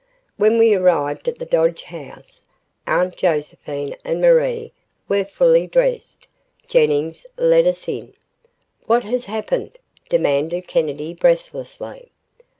When we arrived at the Dodge house, Aunt Josephine and Marie were fully dressed. Jennings let us in. "What has happened?" demanded Kennedy breathlessly.